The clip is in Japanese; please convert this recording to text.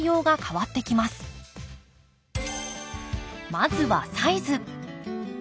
まずはサイズ。